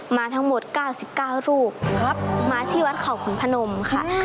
มาทั้งหมด๙๙รูปครับมาที่วัดเขาขุนพนมค่ะ